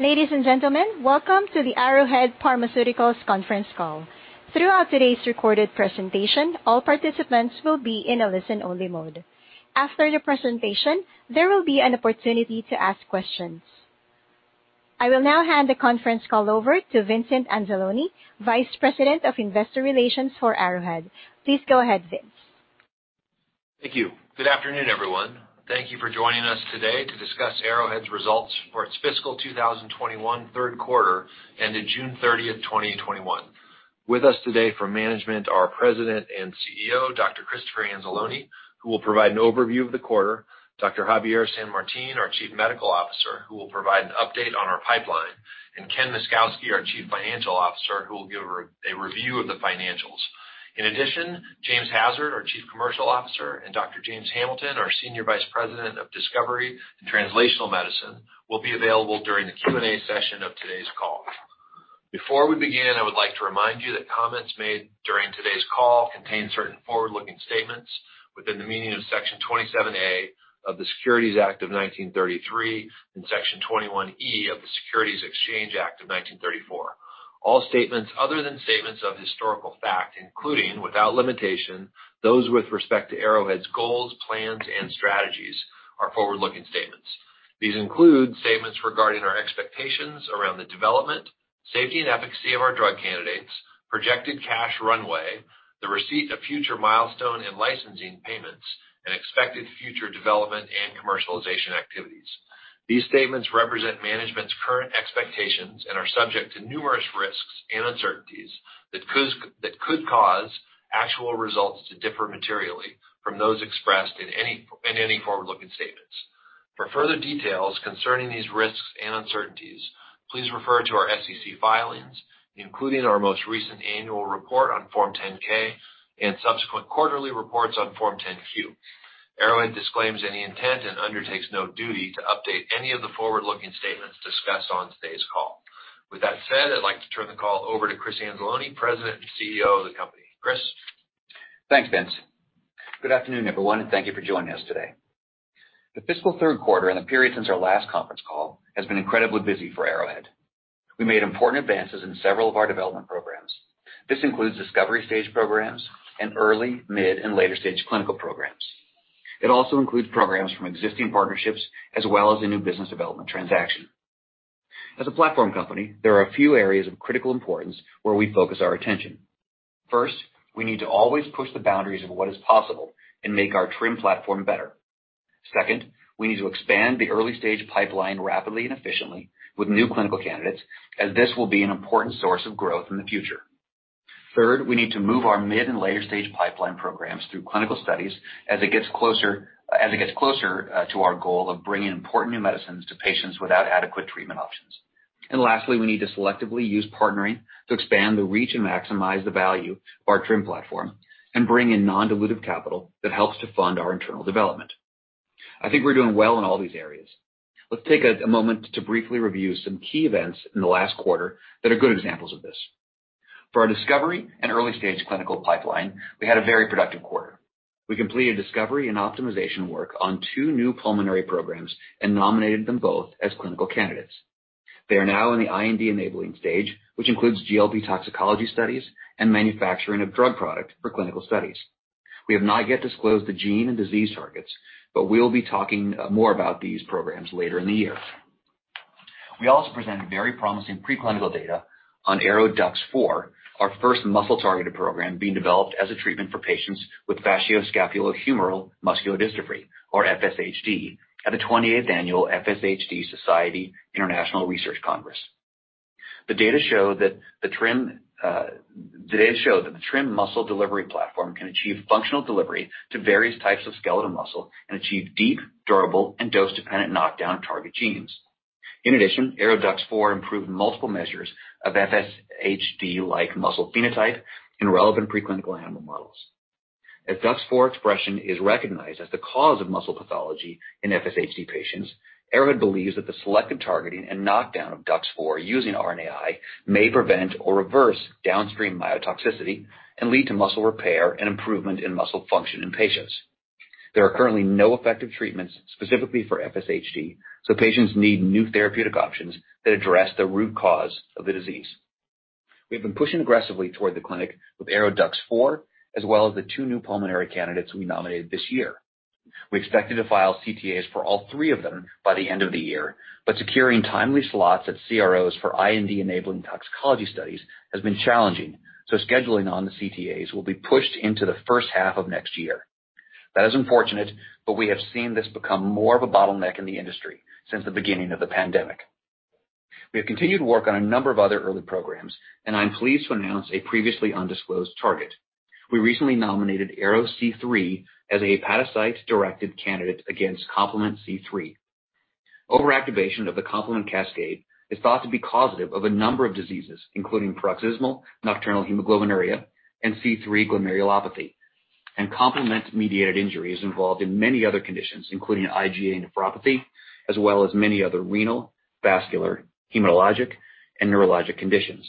Ladies and gentlemen, welcome to the Arrowhead Pharmaceuticals conference call. Throughout today's recorded presentation, all participants will be in a listen-only mode. After the presentation, there will be an opportunity to ask questions. I will now hand the conference call over to Vincent Anzalone, Vice President of Investor Relations for Arrowhead. Please go ahead, Vince. Thank you. Good afternoon, everyone. Thank you for joining us today to discuss Arrowhead's results for its fiscal 2021 third quarter, ended June 30th, 2021. With us today for management are President and CEO, Dr. Christopher Anzalone, who will provide an overview of the quarter, Dr. Javier San Martin, our Chief Medical Officer, who will provide an update on our pipeline, and Ken Myszkowski, our Chief Financial Officer, who will give a review of the financials. In addition, James Hassard, our Chief Commercial Officer, and Dr. James Hamilton, our Senior Vice President of Discovery and Translational Medicine, will be available during the Q&A session of today's call. Before we begin, I would like to remind you that comments made during today's call contain certain forward-looking statements within the meaning of Section 27A of the Securities Act of 1933 and Section 21E of the Securities Exchange Act of 1934. All statements other than statements of historical fact, including, without limitation, those with respect to Arrowhead's goals, plans, and strategies, are forward-looking statements. These include statements regarding our expectations around the development, safety, and efficacy of our drug candidates, projected cash runway, the receipt of future milestone and licensing payments, and expected future development and commercialization activities. These statements represent management's current expectations and are subject to numerous risks and uncertainties that could cause actual results to differ materially from those expressed in any forward-looking statements. For further details concerning these risks and uncertainties, please refer to our SEC filings, including our most recent annual report on Form 10-K and subsequent quarterly reports on Form 10-Q. Arrowhead disclaims any intent and undertakes no duty to update any of the forward-looking statements discussed on today's call. With that said, I'd like to turn the call over to Christopher Anzalone, President and Chief Executive Officer of the company. Christopher? Thanks, Vince. Good afternoon, everyone, thank you for joining us today. The fiscal third quarter and the period since our last conference call has been incredibly busy for Arrowhead. We made important advances in several of our development programs. This includes discovery stage programs and early, mid, and later-stage clinical programs. It also includes programs from existing partnerships as well as a new business development transaction. As a platform company, there are a few areas of critical importance where we focus our attention. First, we need to always push the boundaries of what is possible and make our TRiM platform better. Second, we need to expand the early-stage pipeline rapidly and efficiently with new clinical candidates, as this will be an important source of growth in the future. We need to move our mid and later-stage pipeline programs through clinical studies as it gets closer to our goal of bringing important new medicines to patients without adequate treatment options. Lastly, we need to selectively use partnering to expand the reach and maximize the value of our TRiM platform and bring in non-dilutive capital that helps to fund our internal development. I think we're doing well in all these areas. Let's take a moment to briefly review some key events in the last quarter that are good examples of this. For our discovery and early-stage clinical pipeline, we had a very productive quarter. We completed discovery and optimization work on two new pulmonary programs and nominated them both as clinical candidates. They are now in the IND-enabling stage, which includes GLP toxicology studies and manufacturing of drug product for clinical studies. We have not yet disclosed the gene and disease targets, but we'll be talking more about these programs later in the year. We also presented very promising preclinical data on ARO-DUX4, our first muscle-targeted program being developed as a treatment for patients with facioscapulohumeral muscular dystrophy, or FSHD, at the 28th Annual FSHD Society International Research Congress. The data show that the TRiM muscle delivery platform can achieve functional delivery to various types of skeletal muscle and achieve deep, durable, and dose-dependent knockdown target genes. In addition, ARO-DUX4 improved multiple measures of FSHD-like muscle phenotype in relevant preclinical animal models. As DUX4 expression is recognized as the cause of muscle pathology in FSHD patients, Arrowhead believes that the selective targeting and knockdown of DUX4 using RNAi may prevent or reverse downstream myotoxicity and lead to muscle repair and improvement in muscle function in patients. There are currently no effective treatments specifically for FSHD, so patients need new therapeutic options that address the root cause of the disease. We have been pushing aggressively toward the clinic with ARO-DUX4, as well as the two new pulmonary candidates we nominated this year. We expected to file CTAs for all three of them by the end of the year, but securing timely slots at CROs for IND-enabling toxicology studies has been challenging, so scheduling on the CTAs will be pushed into the first half of next year. That is unfortunate, but we have seen this become more of a bottleneck in the industry since the beginning of the pandemic. We have continued to work on a number of other early programs, and I'm pleased to announce a previously undisclosed target. We recently nominated ARO-C3 as a hepatocyte-directed candidate against complement C3. Overactivation of the complement cascade is thought to be causative of a number of diseases, including paroxysmal nocturnal hemoglobinuria and C3 glomerulopathy, and complement-mediated injury is involved in many other conditions, including IgA nephropathy, as well as many other renal, vascular, hematologic, and neurologic conditions.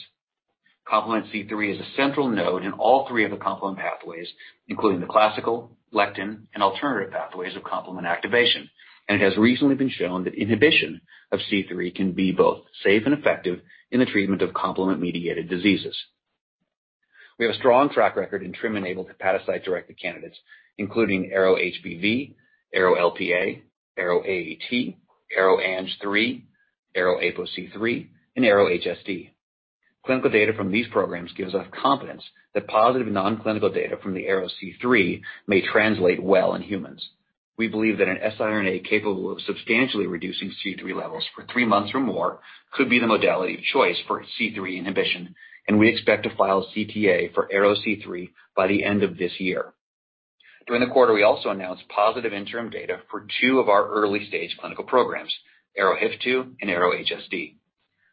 Complement C3 is a central node in all three of the complement pathways, including the classical, lectin, and alternative pathways of complement activation. It has recently been shown that inhibition of C3 can be both safe and effective in the treatment of complement-mediated diseases. We have a strong track record in TRiM-enabled hepatocyte-directed candidates, including ARO-HBV, ARO-LPA, ARO-AAT, ARO-ANG3, ARO-APOC3, and ARO-HSD. Clinical data from these programs gives us confidence that positive non-clinical data from the ARO-C3 may translate well in humans. We believe that an siRNA capable of substantially reducing C3 levels for three months or more could be the modality of choice for C3 inhibition, and we expect to file a CTA for ARO-C3 by the end of this year. During the quarter, we also announced positive interim data for two of our early-stage clinical programs, ARO-HIF2 and ARO-HSD.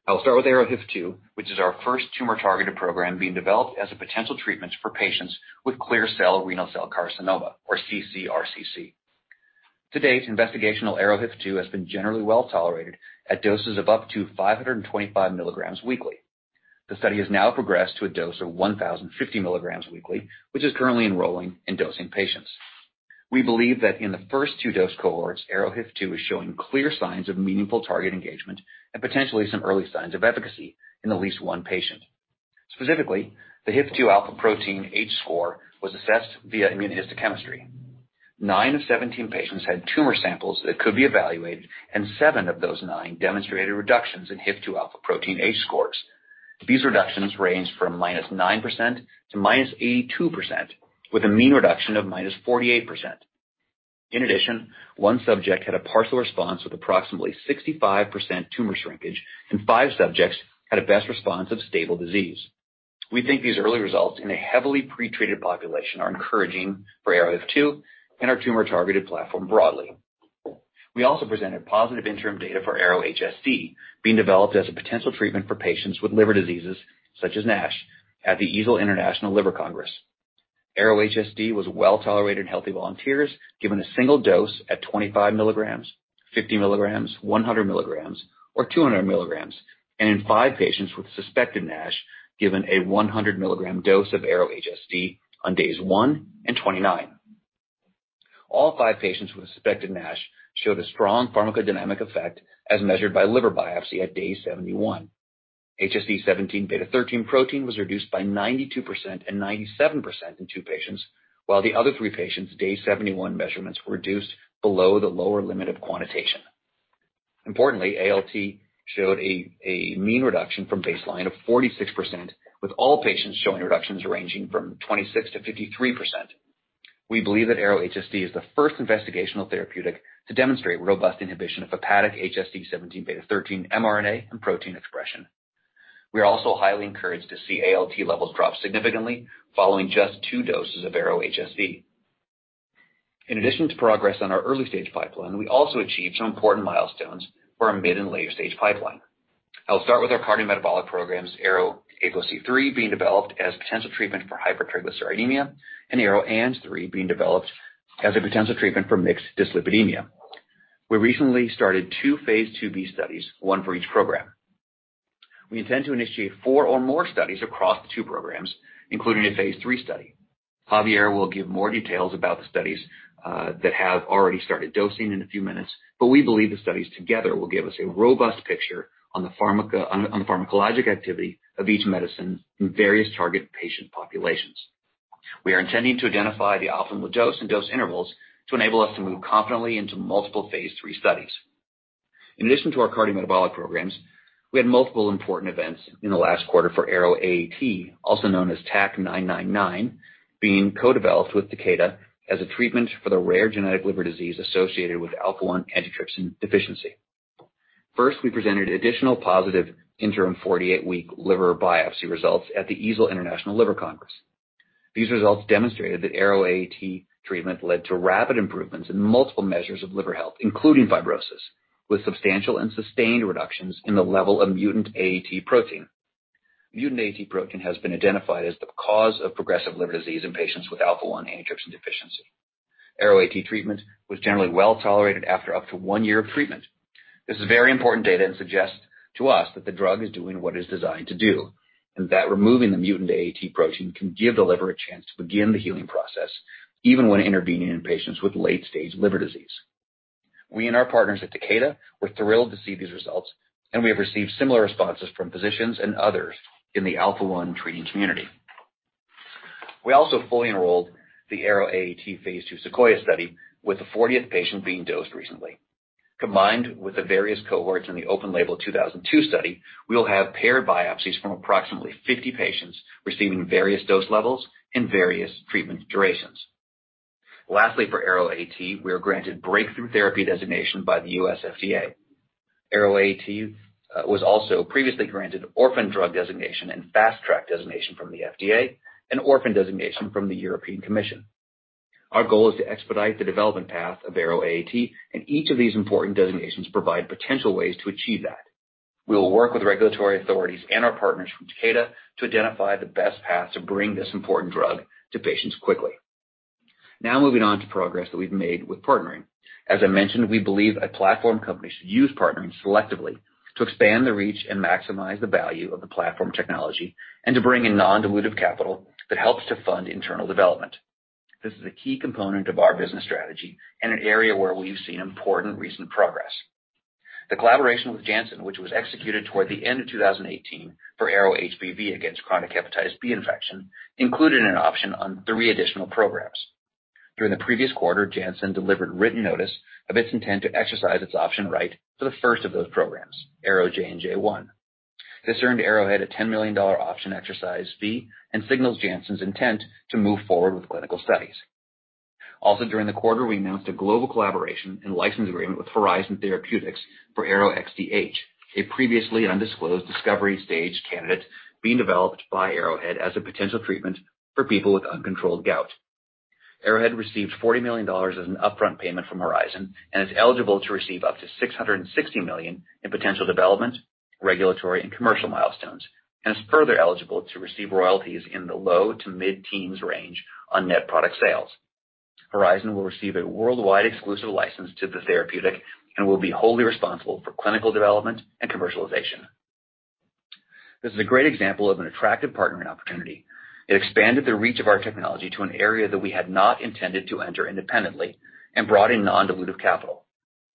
I'll start with ARO-HIF2, which is our first tumor-targeted program being developed as a potential treatment for patients with clear cell renal cell carcinoma, or ccRCC. To date, investigational ARO-HIF2 has been generally well-tolerated at doses of up to 525 mg weekly. The study has now progressed to a dose of 1,050 mg weekly, which is currently enrolling and dosing patients. We believe that in the first two dose cohorts, ARO-HIF2 is showing clear signs of meaningful target engagement and potentially some early signs of efficacy in at least one patient. Specifically, the HIF-2 alpha protein H-score was assessed via immunohistochemistry. Nine of 17 patients had tumor samples that could be evaluated, and seven of those nine demonstrated reductions in HIF-2 alpha protein H-scores. These reductions ranged from -9% to -82%, with a mean reduction of -48%. In addition, one subject had a partial response with approximately 65% tumor shrinkage, and five subjects had a best response of stable disease. We think these early results in a heavily pretreated population are encouraging for ARO-HIF2 and our tumor-targeted platform broadly. We also presented positive interim data for ARO-HSD, being developed as a potential treatment for patients with liver diseases such as NASH at the EASL International Liver Congress. ARO-HSD was well-tolerated in healthy volunteers given a single dose at 25 mg, 50 mg, 100 mg, or 200 mg, and in five patients with suspected NASH given a 100 mg dose of ARO-HSD on days 1 and 29. All five patients with suspected NASH showed a strong pharmacodynamic effect as measured by liver biopsy at day 71. HSD17 beta-13 protein was reduced by 92% and 97% in two patients, while the other three patients' day 71 measurements were reduced below the lower limit of quantitation. Importantly, ALT showed a mean reduction from baseline of 46%, with all patients showing reductions ranging from 26%-53%. We believe that ARO-HSD is the first investigational therapeutic to demonstrate robust inhibition of hepatic HSD17 beta-13 mRNA and protein expression. We are also highly encouraged to see ALT levels drop significantly following just two doses of ARO-HSD. In addition to progress on our early-stage pipeline, we also achieved some important milestones for our mid and later-stage pipeline. I will start with our cardiometabolic programs, ARO-APOC3, being developed as potential treatment for hypertriglyceridemia, and ARO-ANG3, being developed as a potential treatment for mixed dyslipidemia. We recently started two phase IIb studies, one for each program. We intend to initiate four or more studies across the two programs, including a phase III study. Javier will give more details about the studies that have already started dosing in a few minutes. We believe the studies together will give us a robust picture on the pharmacologic activity of each medicine in various target patient populations. We are intending to identify the optimal dose and dose intervals to enable us to move confidently into multiple phase III studies. In addition to our cardiometabolic programs, we had multiple important events in the last quarter for ARO-AAT, also known as TAK-999, being co-developed with Takeda as a treatment for the rare genetic liver disease associated with alpha-1 antitrypsin deficiency. First, we presented additional positive interim 48-week liver biopsy results at the EASL International Liver Congress. These results demonstrated that ARO-AAT treatment led to rapid improvements in multiple measures of liver health, including fibrosis, with substantial and sustained reductions in the level of mutant AAT protein. Mutant AAT protein has been identified as the cause of progressive liver disease in patients with alpha-1 antitrypsin deficiency. ARO-AAT treatment was generally well-tolerated after up to one year of treatment. This is very important data suggests to us that the drug is doing what it is designed to do, that removing the mutant AAT protein can give the liver a chance to begin the healing process even when intervening in patients with late-stage liver disease. We and our partners at Takeda were thrilled to see these results, we have received similar responses from physicians and others in the alpha-1 treating community. We also fully enrolled the ARO-AAT phase II SEQUOIA study, with the 40th patient being dosed recently. Combined with the various cohorts in the open label 2002 study, we will have paired biopsies from approximately 50 patients receiving various dose levels and various treatment durations. Lastly, for ARO-AAT, we are granted Breakthrough Therapy Designation by the U.S. FDA. ARO-AAT was also previously granted Orphan Drug Designation and Fast Track Designation from the FDA, and orphan designation from the European Commission. Our goal is to expedite the development path of ARO-AAT, each of these important designations provide potential ways to achieve that. We will work with regulatory authorities and our partners from Takeda to identify the best path to bring this important drug to patients quickly. Now moving on to progress that we've made with partnering. As I mentioned, we believe a platform company should use partnering selectively to expand the reach and maximize the value of the platform technology and to bring in non-dilutive capital that helps to fund internal development. This is a key component of our business strategy and an area where we've seen important recent progress. The collaboration with Janssen, which was executed toward the end of 2018 for ARO-HBV against chronic hepatitis B infection, included an option on three additional programs. During the previous quarter, Janssen delivered written notice of its intent to exercise its option right for the first of those programs, ARO-JNJ1. This earned Arrowhead a $10 million option exercise fee and signals Janssen's intent to move forward with clinical studies. During the quarter, we announced a global collaboration and license agreement with Horizon Therapeutics for ARO-XDH, a previously undisclosed discovery stage candidate being developed by Arrowhead as a potential treatment for people with uncontrolled gout. Arrowhead received $40 million as an upfront payment from Horizon and is eligible to receive up to $660 million in potential development, regulatory, and commercial milestones, and is further eligible to receive royalties in the low to mid-teens range on net product sales. Horizon will receive a worldwide exclusive license to the therapeutic and will be wholly responsible for clinical development and commercialization. This is a great example of an attractive partnering opportunity. It expanded the reach of our technology to an area that we had not intended to enter independently and brought in non-dilutive capital.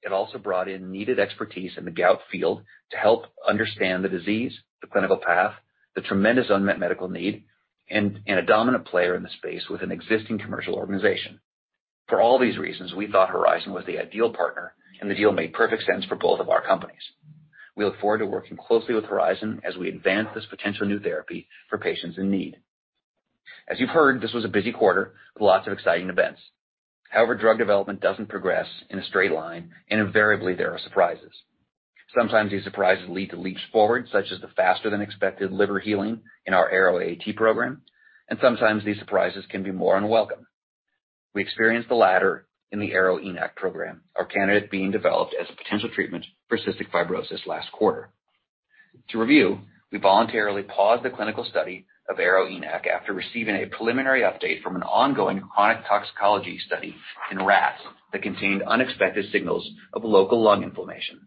It also brought in needed expertise in the gout field to help understand the disease, the clinical path, the tremendous unmet medical need, and a dominant player in the space with an existing commercial organization. For all these reasons, we thought Horizon was the ideal partner, and the deal made perfect sense for both of our companies. We look forward to working closely with Horizon as we advance this potential new therapy for patients in need. As you've heard, this was a busy quarter with lots of exciting events. However, drug development doesn't progress in a straight line, and invariably, there are surprises. Sometimes these surprises lead to leaps forward, such as the faster than expected liver healing in our ARO-AAT program, and sometimes these surprises can be more unwelcome. We experienced the latter in the ARO-ENaC program, our candidate being developed as a potential treatment for cystic fibrosis last quarter. To review, we voluntarily paused the clinical study of ARO-ENaC after receiving a preliminary update from an ongoing chronic toxicology study in rats that contained unexpected signals of local lung inflammation.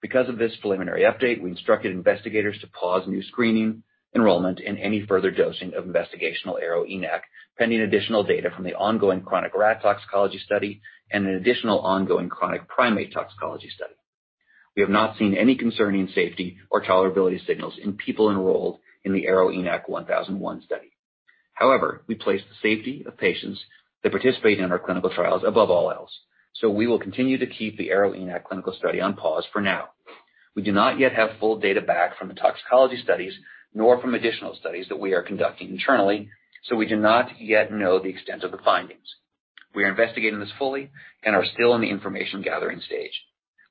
Because of this preliminary update, we instructed investigators to pause new screening, enrollment, and any further dosing of investigational ARO-ENaC, pending additional data from the ongoing chronic rat toxicology study and an additional ongoing chronic primate toxicology study. We have not seen any concerning safety or tolerability signals in people enrolled in the ARO-ENaC1001 study. However, we place the safety of patients that participate in our clinical trials above all else. We will continue to keep the ARO-ENaC clinical study on pause for now. We do not yet have full data back from the toxicology studies, nor from additional studies that we are conducting internally. We do not yet know the extent of the findings. We are investigating this fully and are still in the information gathering stage.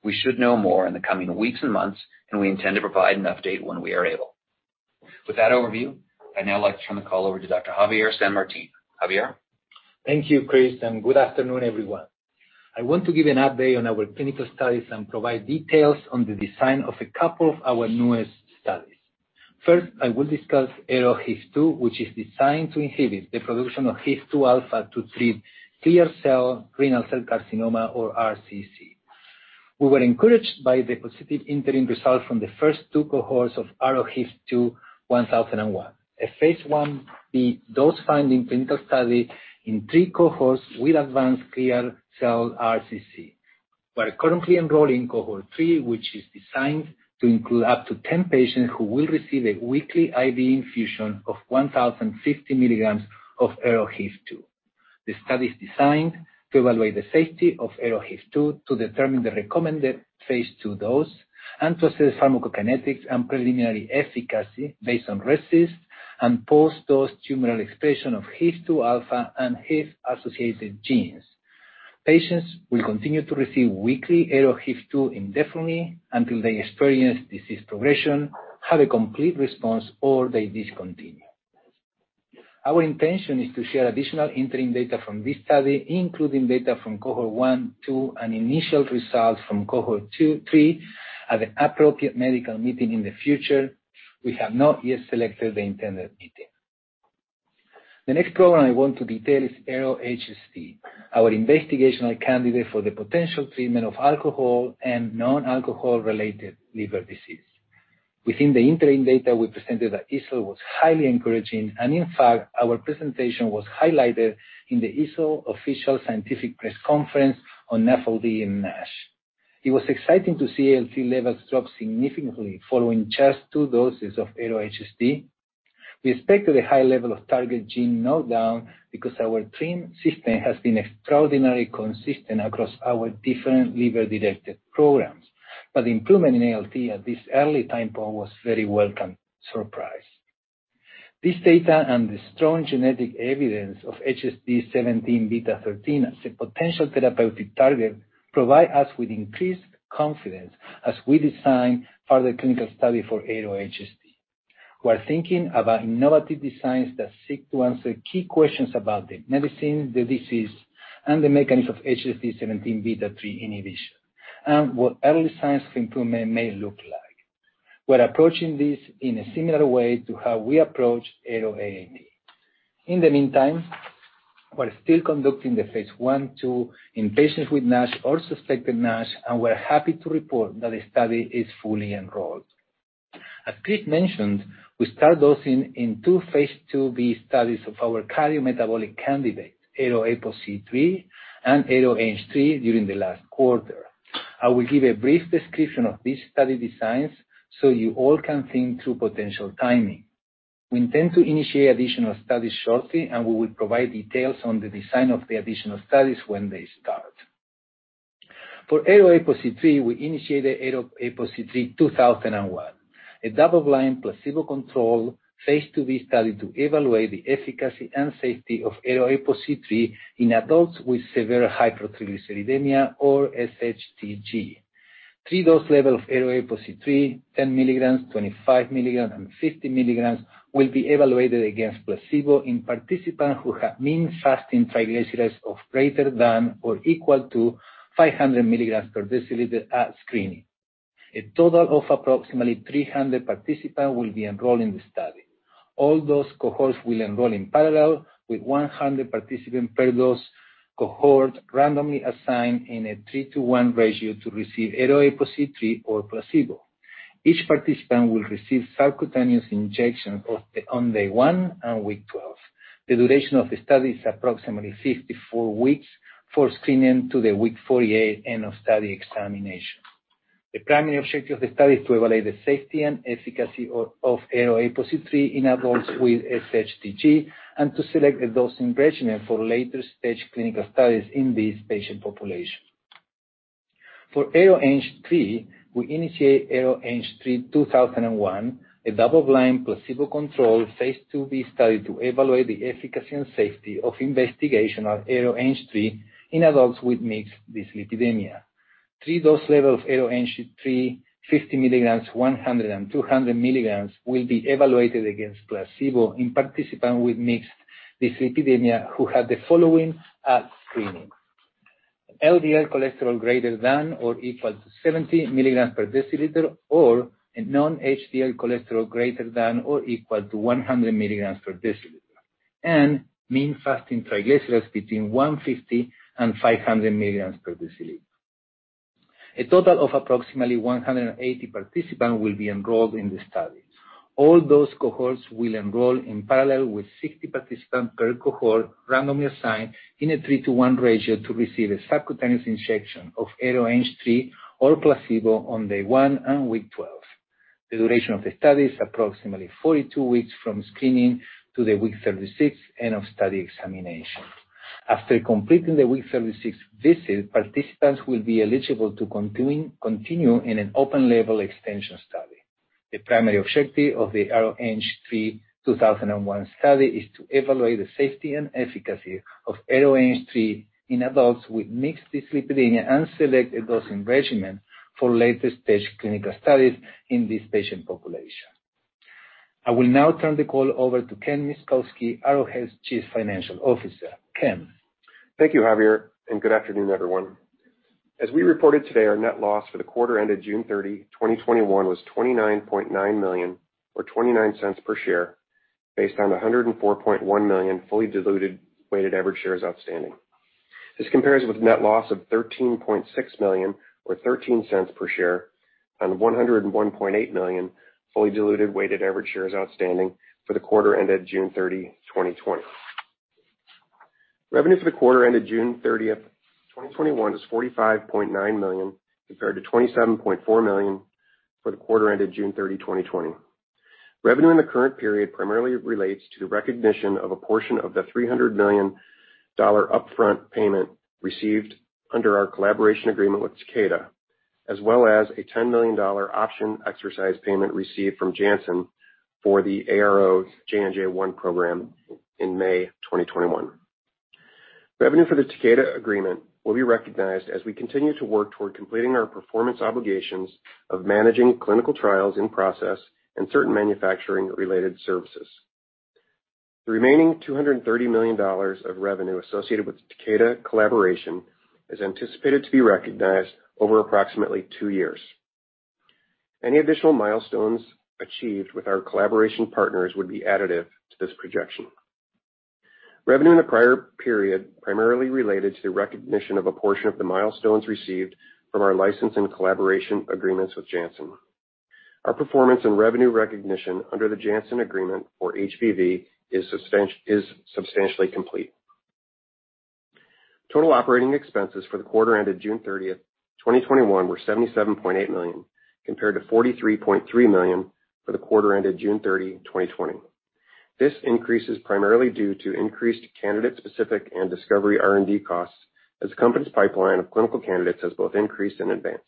We should know more in the coming weeks and months, and we intend to provide an update when we are able. With that overview, I'd now like to turn the call over to Dr. Javier San Martin. Javier? Thank you, Chris. Good afternoon, everyone. I want to give an update on our clinical studies and provide details on the design of a couple of our newest studies. First, I will discuss ARO-HIF2, which is designed to inhibit the production of HIF-2 alpha to treat clear cell renal cell carcinoma or RCC. We were encouraged by the positive interim results from the first two cohorts of ARO-HIF21001, a phase Ib dose-finding clinical study in three cohorts with advanced clear cell RCC. We are currently enrolling Cohort 3, which is designed to include up to 10 patients who will receive a weekly IV infusion of 1,050 mg of ARO-HIF2. The study is designed to evaluate the safety of ARO-HIF2 to determine the recommended phase II dose, assess pharmacokinetics and preliminary efficacy based on RECIST and post-dose tumoral expression of HIF-2 alpha and HIF-associated genes. Patients will continue to receive weekly ARO-HIF2 indefinitely until they experience disease progression, have a complete response, or they discontinue. Our intention is to share additional interim data from this study, including data from Cohort 1, 2, and initial results from Cohort 2, 3 at an appropriate medical meeting in the future. We have not yet selected the intended meeting. The next program I want to detail is ARO-HSD, our investigational candidate for the potential treatment of alcohol and non-alcohol related liver disease. Within the interim data we presented at EASL was highly encouraging, and in fact, our presentation was highlighted in the EASL official scientific press conference on NAFLD and NASH. It was exciting to see ALT levels drop significantly following just two doses of ARO-HSD. We expected a high level of target gene knockdown because our TRiM system has been extraordinarily consistent across our different liver-directed programs. Improvement in ALT at this early time point was very welcome surprise. This data and the strong genetic evidence of HSD17B13 as a potential therapeutic target provide us with increased confidence as we design further clinical study for ARO-HSD. We're thinking about innovative designs that seek to answer key questions about the medicine, the disease, and the mechanism of HSD17B13 inhibition, and what early signs of improvement may look like. We're approaching this in a similar way to how we approached ARO-IND. In the meantime, we're still conducting the phase I, II in patients with NASH or suspected NASH, and we're happy to report that the study is fully enrolled. As Chris mentioned, we start dosing in two phase IIb studies of our cardiometabolic candidate, ARO-APOC3 and ARO-ANG3, during the last quarter. I will give a brief description of these study designs so you all can think through potential timing. We intend to initiate additional studies shortly, and we will provide details on the design of the additional studies when they start. For ARO-APOC3, we initiated ARO-APOC3-2001, a double-blind, placebo-controlled phase II-B study to evaluate the efficacy and safety of ARO-APOC3 in adults with severe hypertriglyceridemia, or SHTG. Three dose levels of ARO-APOC3, 10 mg, 25 mg, and 50 mg, will be evaluated against placebo in participants who have mean fasting triglycerides of greater than or equal to 500 mg per deciliter at screening. A total of approximately 300 participants will be enrolled in the study. All those cohorts will enroll in parallel with 100 participants per dose cohort randomly assigned in a 3:1 ratio to receive ARO-APOC3 or placebo. Each participant will receive subcutaneous injections on day one and week 12. The duration of the study is approximately 54 weeks from screening to the week 48 end of study examination. The primary objective of the study is to evaluate the safety and efficacy of ARO-APOC3 in adults with SHTG and to select a dosing regimen for later-stage clinical studies in this patient population. For ARO-ANG3, we initiate ARO-ANG3-2001, a double-blind, placebo-controlled phase IIb study to evaluate the efficacy and safety of investigational ARO-ANG3 in adults with mixed dyslipidemia. Three dose levels of ARO-ANG3, 50 mg, 100, and 200 mg, will be evaluated against placebo in participants with mixed dyslipidemia who had the following at screening: LDL cholesterol greater than or equal to 70 mg per deciliter, or a non-HDL cholesterol greater than or equal to 100 mg per deciliter, and mean fasting triglycerides between 150 and 500 mg per deciliter. A total of approximately 180 participants will be enrolled in the study. All those cohorts will enroll in parallel with 60 participants per cohort randomly assigned in a 3:1 ratio to receive a subcutaneous injection of ARO-ANG3 or placebo on day one and week 12. The duration of the study is approximately 42 weeks from screening to the week 36 end of study examination. After completing the week 36 visit, participants will be eligible to continue in an open-label extension study. The primary objective of the ARO-ANG3-2001 study is to evaluate the safety and efficacy of ARO-ANG3 in adults with mixed dyslipidemia and select a dosing regimen for later-stage clinical studies in this patient population. I will now turn the call over to Ken Myszkowski, Arrowhead's Chief Financial Officer. Ken? Thank you, Javier, and good afternoon, everyone. As we reported today, our net loss for the quarter ended June 30, 2021, was $29.9 million, or $0.29 per share, based on 104.1 million fully diluted weighted average shares outstanding. This compares with net loss of $13.6 million or $0.13 per share on 101.8 million fully diluted weighted average shares outstanding for the quarter ended June 30, 2020. Revenue for the quarter ended June 30, 2021, is $45.9 million compared to $27.4 million for the quarter ended June 30, 2020. Revenue in the current period primarily relates to the recognition of a portion of the $300 million upfront payment received under our collaboration agreement with Takeda, as well as a $10 million option exercise payment received from Janssen for the ARO-JNJ1 program in May 2021. Revenue for the Takeda agreement will be recognized as we continue to work toward completing our performance obligations of managing clinical trials in process and certain manufacturing-related services. The remaining $230 million of revenue associated with the Takeda collaboration is anticipated to be recognized over approximately two years. Any additional milestones achieved with our collaboration partners would be additive to this projection. Revenue in the prior period primarily related to the recognition of a portion of the milestones received from our license and collaboration agreements with Janssen. Our performance and revenue recognition under the Janssen agreement for HBV is substantially complete. Total operating expenses for the quarter ended June 30th, 2021, were $77.8 million, compared to $43.3 million for the quarter ended June 30, 2020. This increase is primarily due to increased candidate-specific and discovery R&D costs as the company's pipeline of clinical candidates has both increased and advanced.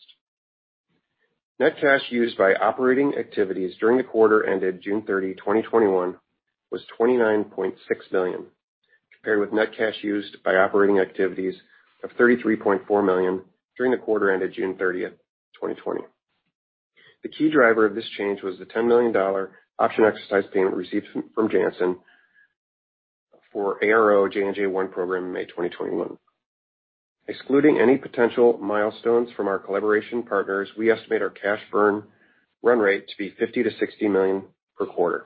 Net cash used by operating activities during the quarter ended June 30, 2021, was $29.6 million, compared with net cash used by operating activities of $33.4 million during the quarter ended June 30th, 2020. The key driver of this change was the $10 million option exercise payment received from Janssen for ARO-JNJ-001 program in May 2021. Excluding any potential milestones from our collaboration partners, we estimate our cash burn run rate to be $50 million-$60 million per quarter.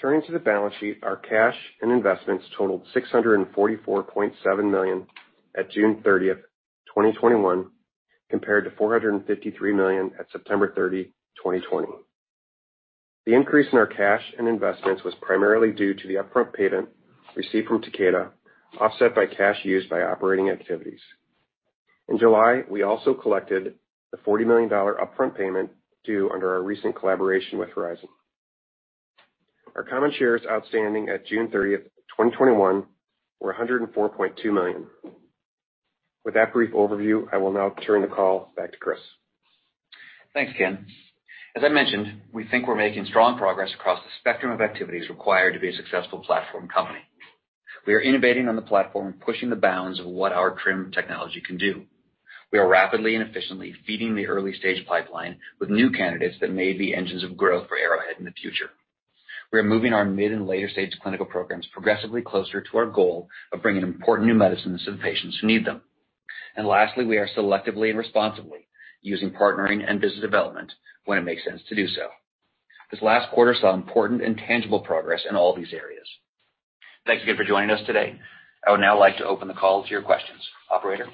Turning to the balance sheet. Our cash and investments totaled $644.7 million at June 30th, 2021, compared to $453 million at September 30, 2020. The increase in our cash and investments was primarily due to the upfront payment received from Takeda, offset by cash used by operating activities. In July, we also collected the $40 million upfront payment due under our recent collaboration with Horizon. Our common shares outstanding at June 30th, 2021 were $104.2 million. With that brief overview, I will now turn the call back to Chris. Thanks, Ken. As I mentioned, we think we're making strong progress across the spectrum of activities required to be a successful platform company. We are innovating on the platform and pushing the bounds of what our TRiM technology can do. We are rapidly and efficiently feeding the early-stage pipeline with new candidates that may be engines of growth for Arrowhead in the future. We are moving our mid and later-stage clinical programs progressively closer to our goal of bringing important new medicines to the patients who need them. Lastly, we are selectively and responsibly using partnering and business development when it makes sense to do so. This last quarter saw important and tangible progress in all these areas. Thanks again for joining us today. I would now like to open the call to your questions. Operator?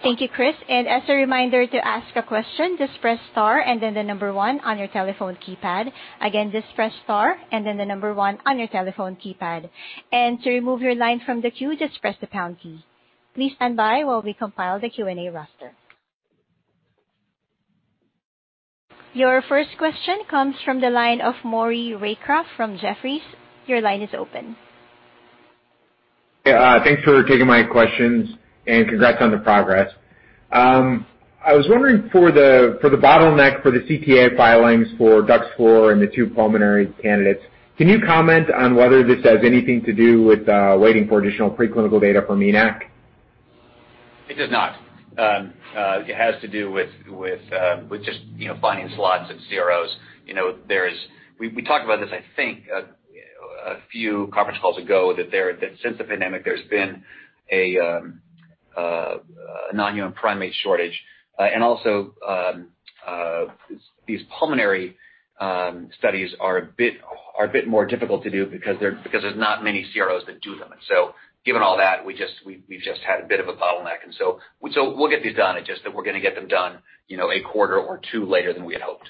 Thank you, Chris. As a reminder, to ask a question, just press star and then the number one on your telephone keypad. Again, just press star and then the number one on your telephone keypad. To remove your line from the queue, just press the pound key. Please stand by while we compile the Q&A roster. Your first question comes from the line of Maury Raycroft from Jefferies. Your line is open. Yeah. Thanks for taking my questions and congrats on the progress. I was wondering for the bottleneck for the CTA filings for DUX4 and the two pulmonary candidates, can you comment on whether this has anything to do with waiting for additional preclinical data from ENaC? It does not. It has to do with just finding slots at CROs. We talked about this, I think, a few conference calls ago, that since the pandemic, there's been a non-human primate shortage. Also, these pulmonary studies are a bit more difficult to do because there's not many CROs that do them. Given all that, we've just had a bit of a bottleneck. We'll get these done, it's just that we're going to get them done a quarter or two later than we had hoped.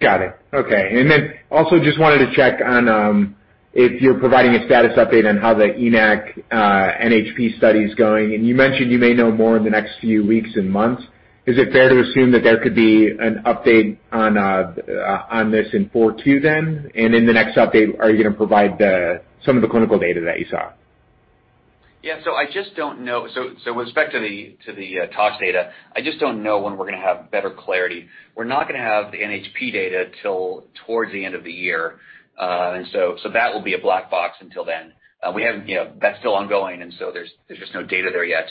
Got it. Okay. Also just wanted to check on if you're providing a status update on how the ENaC NHP study is going, and you mentioned you may know more in the next few weeks and months. Is it fair to assume that there could be an update on this in 42 then? In the next update, are you going to provide some of the clinical data that you saw? Yeah, I just don't know. With respect to the tox data, I just don't know when we're going to have better clarity. We're not going to have the NHP data till towards the end of the year. That will be a black box until then. That's still ongoing, and so there's just no data there yet.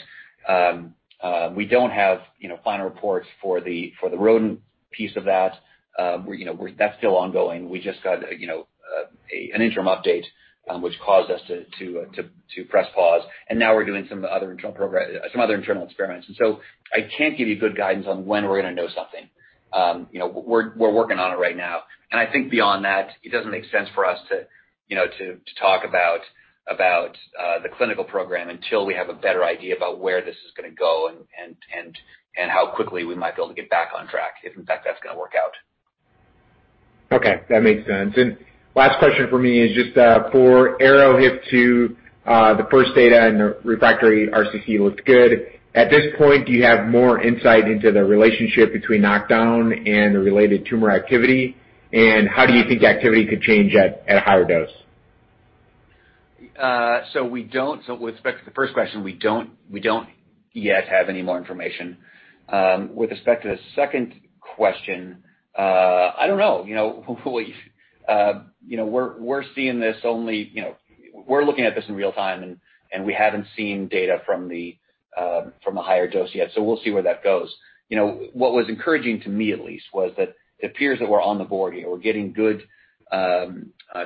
We don't have final reports for the rodent piece of that. That's still ongoing. We just got an interim update, which caused us to press pause, and now we're doing some other internal experiments, and so I can't give you good guidance on when we're going to know something. We're working on it right now, and I think beyond that, it doesn't make sense for us to talk about the clinical program until we have a better idea about where this is going to go and how quickly we might be able to get back on track, if in fact, that's going to work out. Okay, that makes sense. Last question from me is just for ARO-HIF2, the first data in the refractory RCC looks good. At this point, do you have more insight into the relationship between knockdown and the related tumor activity? How do you think activity could change at a higher dose? With respect to the first question, we don't yet have any more information. With respect to the second question, I don't know. We're looking at this in real-time, and we haven't seen data from a higher dose yet, so we'll see where that goes. What was encouraging to me at least was that it appears that we're on the board here. We're getting good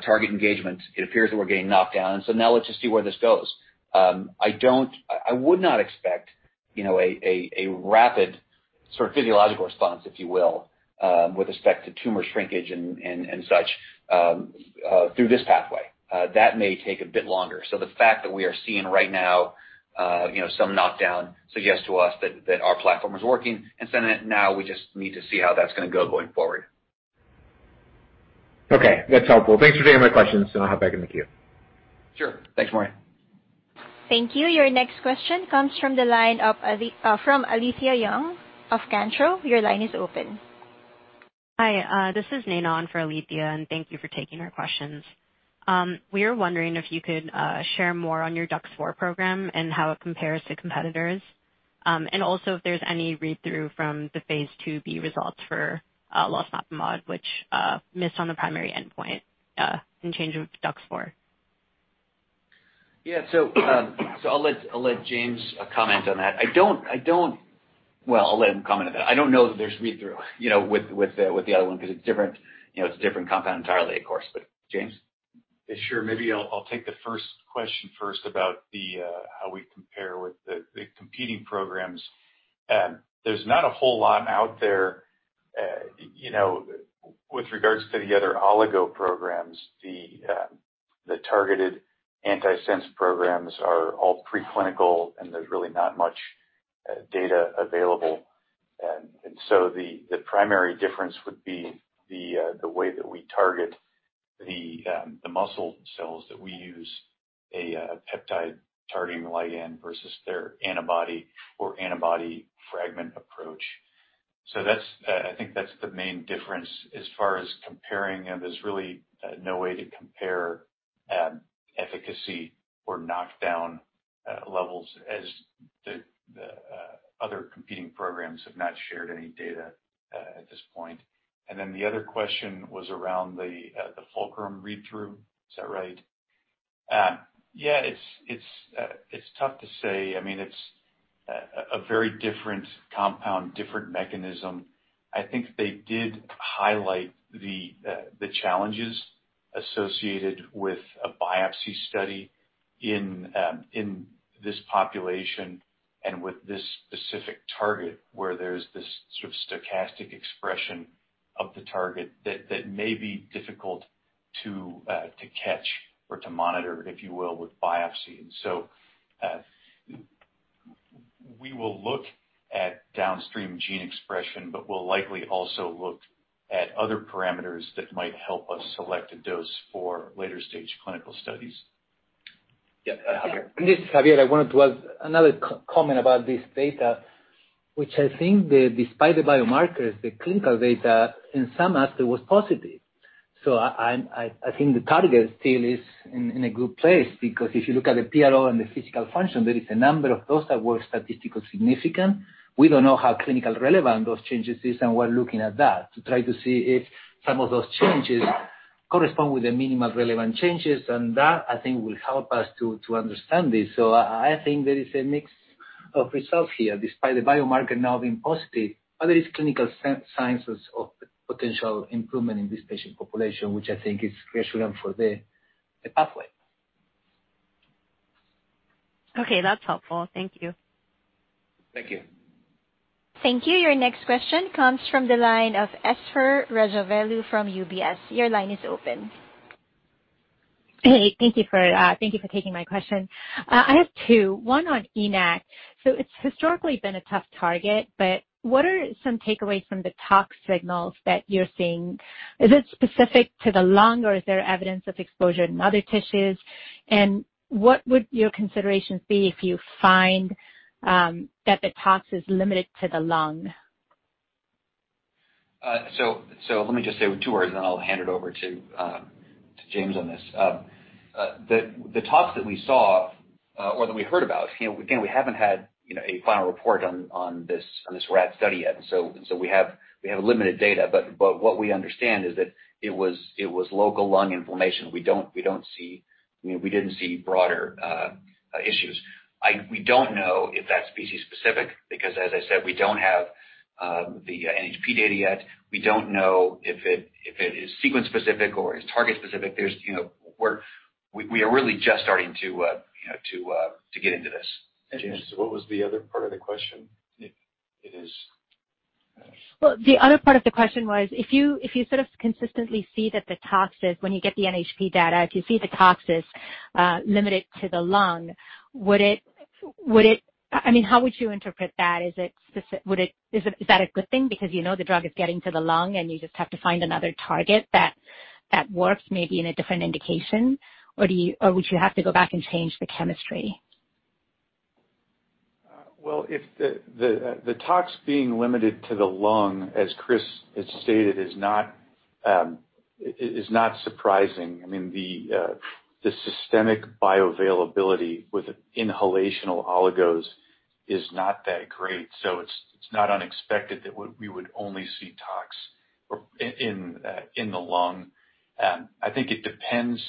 target engagement. It appears that we're getting knockdown. Now let's just see where this goes. I would not expect a rapid sort of physiological response, if you will with respect to tumor shrinkage and such through this pathway. That may take a bit longer. The fact that we are seeing right now some knockdown suggests to us that our platform is working. Now we just need to see how that's going to go going forward. Okay. That's helpful. Thanks for taking my questions. I'll hop back in the queue. Sure. Thanks, Maury. Thank you. Your next question comes from the line of Alethia Young of Cantor Fitzgerald. Your line is open. Hi. This is Nanon for Alethia, thank you for taking our questions. We are wondering if you could share more on your DUX4 program and how it compares to competitors. Also if there's any read-through from the phase IIb results for losmapimod, which missed on the primary endpoint in change of DUX4. Yeah. I'll let James comment on that. Well, I'll let him comment on that. I don't know that there's read-through with the other one, because it's a different compound entirely, of course. James? Sure. Maybe I'll take the first question first about how we compare with the competing programs. There's not a whole lot out there with regards to the other oligo programs. The targeted antisense programs are all pre-clinical, and there's really not much data available. The primary difference would be the way that we target the muscle cells, that we use a peptide-targeting ligand versus their antibody or antibody fragment approach. I think that's the main difference. As far as comparing them, there's really no way to compare efficacy or knockdown levels as the other competing programs have not shared any data at this point. The other question was around the Fulcrum read-through. Is that right? Yeah, it's tough to say. It's a very different compound, different mechanism. I think they did highlight the challenges associated with a biopsy study in this population and with this specific target, where there's this sort of stochastic expression of the target that may be difficult to catch or to monitor, if you will, with biopsy. We will look at downstream gene expression, but we'll likely also look at other parameters that might help us select a dose for later-stage clinical studies. Yeah. Javier. This is Javier. I wanted to add another comment about this data, which I think that despite the biomarkers, the clinical data in some aspect was positive. I think the target still is in a good place, because if you look at the PRO and the physical function, there is a number of those that were statistically significant. We don't know how clinically relevant those changes are, and we're looking at that to try to see if some of those changes correspond with the minimal relevant changes. That, I think, will help us to understand this. I think there is a mix of results here, despite the biomarker now being positive. There is clinical signs of potential improvement in this patient population, which I think is crucial for the pathway. Okay, that's helpful. Thank you. Thank you. Thank you. Your next question comes from the line of Esther Rajavelu from UBS. Your line is open. Hey, thank you for taking my question. I have two, one on ENaC. It's historically been a tough target, but what are some takeaways from the tox signals that you're seeing? Is it specific to the lung, or is there evidence of exposure in other tissues? What would your considerations be if you find that the tox is limited to the lung? Let me just say two words, and then I'll hand it over to James on this. The tox that we saw or that we heard about. We haven't had a final report on this rat study yet, we have limited data. What we understand is that it was local lung inflammation, we didn't see broader issues. We don't know if that's species-specific, because as I said, we don't have the NHP data yet. We don't know if it is sequence-specific or is target-specific. We are really just starting to get into this. James? What was the other part of the question? If it is. Well, the other part of the question was, if you sort of consistently see that the tox is, when you get the NHP data, if you see the tox is limited to the lung, how would you interpret that? Is that a good thing because you know the drug is getting to the lung and you just have to find another target that works maybe in a different indication, or would you have to go back and change the chemistry? Well, the tox being limited to the lung, as Chris has stated, is not surprising. The systemic bioavailability with inhalational oligos is not that great. It's not unexpected that we would only see tox in the lung. I think it depends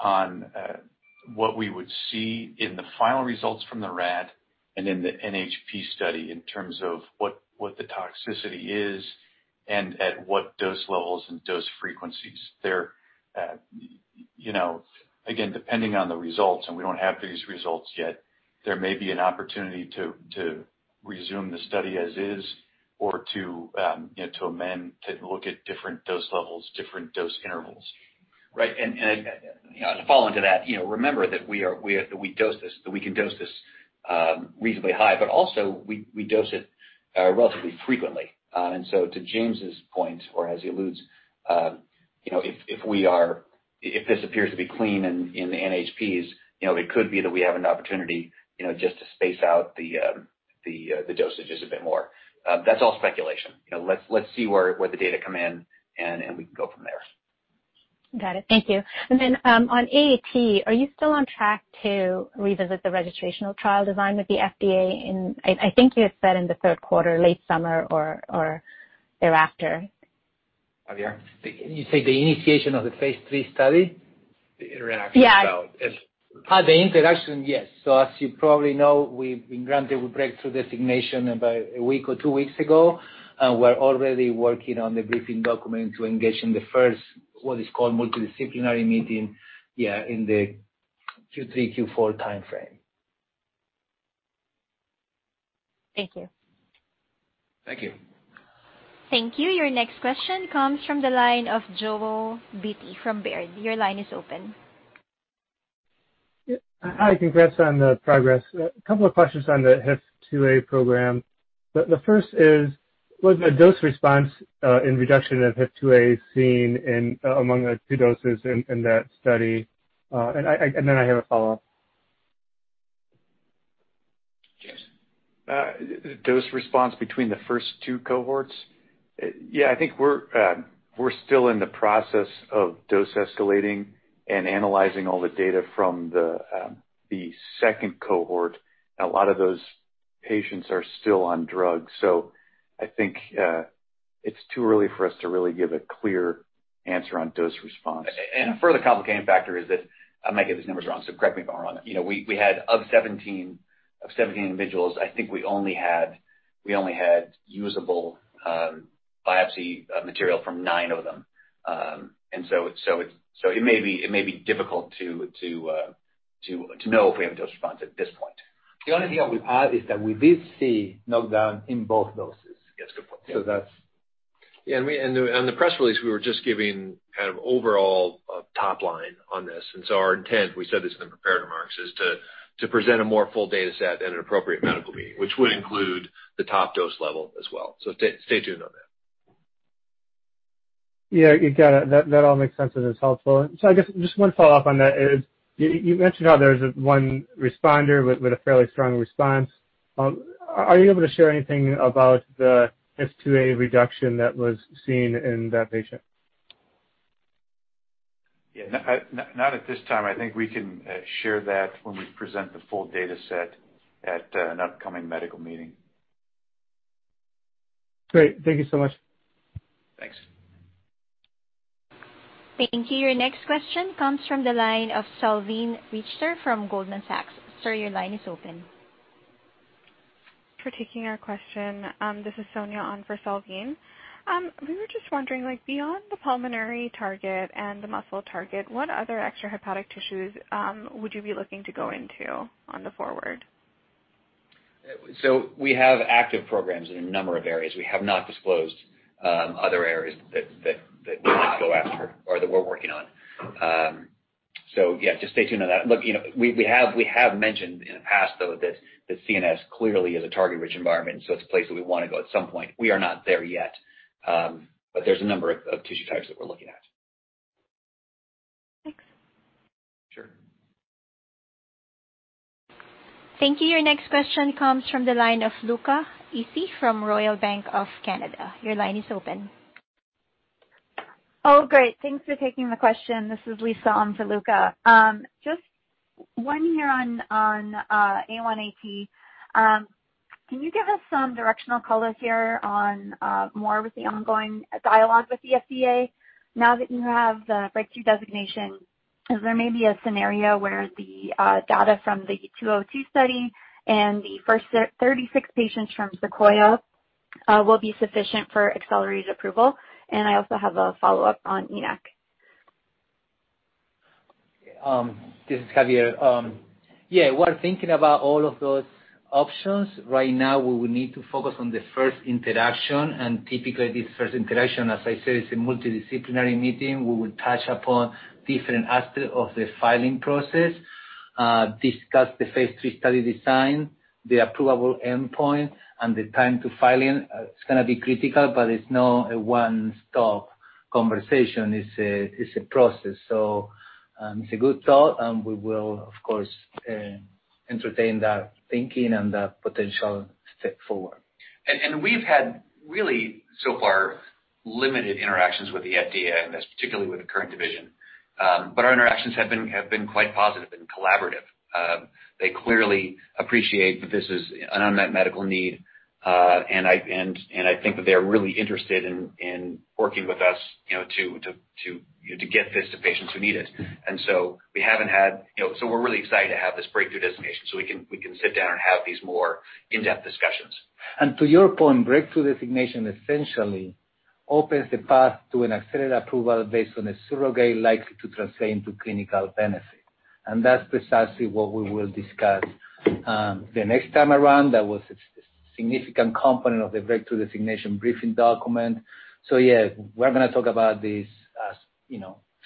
on what we would see in the final results from the rat and in the NHP study in terms of what the toxicity is and at what dose levels and dose frequencies there. Depending on the results, and we don't have these results yet, there may be an opportunity to resume the study as is or to amend, to look at different dose levels, different dose intervals. Right. To follow into that, remember that we can dose this reasonably high, but also we dose it relatively frequently. To James's point, or as he alludes, if this appears to be clean in the NHPs, it could be that we have an opportunity just to space out the dosages a bit more. That's all speculation. Let's see where the data come in, and we can go from there. Got it. Thank you. On ARO-AAT, are you still on track to revisit the registrational trial design with the FDA in, I think you had said in the third quarter, late summer or thereafter? Javier? You say the initiation of the phase III study? The interaction about- Yeah. The interaction. Yes. As you probably know, we've been granted with Breakthrough Designation about one week or two weeks ago. We're already working on the briefing document to engage in the first, what is called multidisciplinary meeting, yeah, in the Q3, Q4 timeframe. Thank you. Thank you. Thank you. Your next question comes from the line of Joel Beatty from Baird. Your line is open. Yeah. Hi. Congrats on the progress. A couple of questions on the HIF-2α program. The first is, was the dose response in reduction of HIF-2α seen among the two doses in that study? Then I have a follow-up. James? Dose response between the first two cohorts? Yeah, I think we're still in the process of dose escalating and analyzing all the data from the second cohort, a lot of those patients are still on drugs. I think, it's too early for us to really give a clear answer on dose response. A further complicating factor is that, I might get these numbers wrong, so correct me if I'm wrong. We had of 17 individuals, I think we only had usable biopsy material from nine of them. It may be difficult to know if we have a dose response at this point. The only thing I will add is that we did see knockdown in both doses. Yes. Good point. That's- Yeah. On the press release, we were just giving kind of overall a top line on this. Our intent, we said this in the prepared remarks, is to present a more full data set at an appropriate medical meeting, which would include the top dose level as well. Stay tuned on that. Yeah. You got it. That all makes sense, and it's helpful. I guess just one follow-up on that is, you mentioned how there's one responder with a fairly strong response. Are you able to share anything about the HIF-2α reduction that was seen in that patient? Yeah. Not at this time. I think we can share that when we present the full data set at an upcoming medical meeting. Great. Thank you so much. Thanks. Thank you. Your next question comes from the line of Salveen Richter from Goldman Sachs. Sir, your line is open. Thanks for taking our question. This is Sonia on for Salveen. We were just wondering, beyond the pulmonary target and the muscle target, what other extrahepatic tissues would you be looking to go into on the forward? We have active programs in a number of areas. We have not disclosed other areas that we might go after or that we're working on. Yeah, just stay tuned on that. Look, we have mentioned in the past, though, that CNS clearly is a target-rich environment, so it's a place that we want to go at some point. We are not there yet. There's a number of tissue types that we're looking at. Thanks. Sure. Thank you. Your next question comes from the line of Luca Issi from Royal Bank of Canada. Your line is open. Great. Thanks for taking the question. This is Lisa on for Luca. Just one here on ARO-AAT. Can you give us some directional color here on more with the ongoing dialogue with the FDA now that you have the Breakthrough Designation? Is there maybe a scenario where the data from the 2002 study and the first 36 patients from SEQUOIA will be sufficient for accelerated approval? I also have a follow-up on ARO-ENaC. This is Javier. Yeah. We're thinking about all of those options. Right now, we will need to focus on the first interaction, and typically this first interaction, as I said, it's a multidisciplinary meeting. We will touch upon different aspects of the filing process, discuss the phase III study design, the approvable endpoint, and the time to filing. It's going to be critical, but it's not a one-stop conversation. It's a process. It's a good thought, and we will, of course, entertain that thinking and that potential step forward. We've had really, so far, limited interactions with the FDA on this, particularly with the current division. Our interactions have been quite positive and collaborative. They clearly appreciate that this is an unmet medical need, and I think that they're really interested in working with us to get this to patients who need it. We're really excited to have this Breakthrough Designation so we can sit down and have these more in-depth discussions. To your point, Breakthrough Designation essentially opens the path to an accelerated approval based on a surrogate likely to translate into clinical benefit. That's precisely what we will discuss the next time around. That was a significant component of the Breakthrough Designation briefing document. Yeah, we're going to talk about this